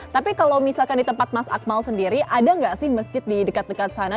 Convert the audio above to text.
tapi kalau misalkan di tempat mas akmal sendiri ada nggak sih masjid di dekat dekat sana